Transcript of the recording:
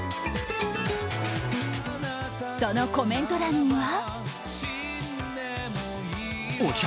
そのコメント欄には。